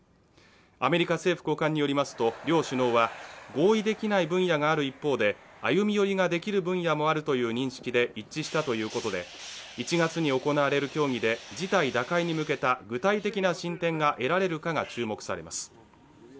アメリカ政府高官によりますと両首脳は合意できない分野がある一方で、歩み寄りができる分野もあるという認識で一致したということで、１月に行われる協議で事態打開に向けた具体的な進展が得られるかが注目されます。